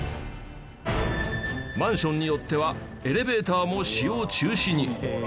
マンションによってはエレベーターも使用中止に。